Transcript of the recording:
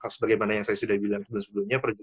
sebagimana yang saya sudah bilang sebelumnya